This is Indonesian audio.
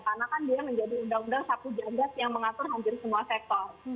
karena kan dia menjadi undang undang sapu janggas yang mengatur hampir semua sektor